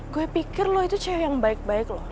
gue pikir lo itu cewek yang baik baik loh